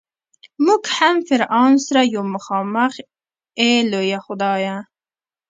مونږ هم فرعون سره یو مخامخ ای لویه خدایه.